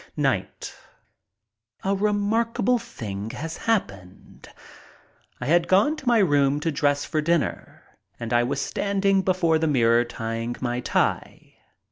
Night: A remarkable thing has happened. I had gone to my room to dress for dinner and I was standing before the mirror tying my tie.